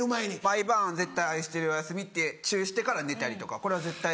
毎晩絶対「愛してるよおやすみ」ってチュしてから寝たりとかこれは絶対。